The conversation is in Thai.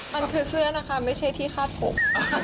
มันคือเสื้อนะคะไม่ใช่ที่คาดผม